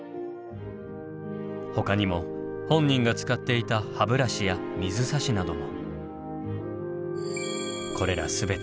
ほかにも本人が使っていた歯ブラシや水差しなども。